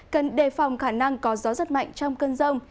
cần đề phòng khả năng có gió rất mạnh trong cơn rông